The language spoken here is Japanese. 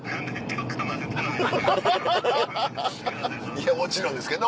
いやもちろんですけど。